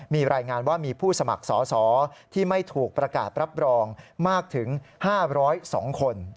มีรายงานว่ามีผู้สมัครสอสอที่ไม่ถูกประกาศรับรองมากถึง๕๐๒คน